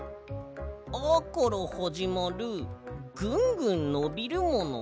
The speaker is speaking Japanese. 「あ」からはじまるぐんぐんのびるもの？